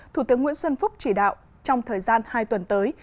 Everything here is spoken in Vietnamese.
thủ tướng nguyễn xuân phúc chỉ đạo trong thời gian hai tuần tới